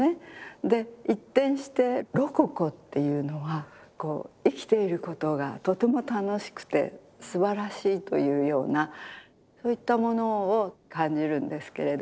で一転してロココっていうのはこう生きていることがとても楽しくてすばらしいというようなそういったものを感じるんですけれども。